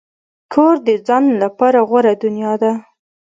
کور د ځان لپاره غوره دنیا ده.